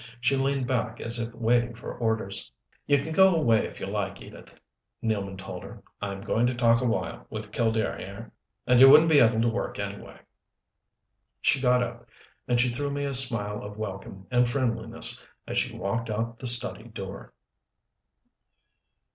She leaned back as if waiting for orders. "You can go, if you like, Edith," Nealman told her. "I'm going to talk awhile with Killdare, here, and you wouldn't be able to work anyway." She got up; and she threw me a smile of welcome and friendliness as she walked out the study door.